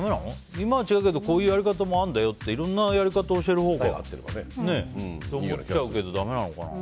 今は違うけどこういうやり方もあるんだよっていろんなやり方を教えるほうがねって思っちゃうけどだめなのかな。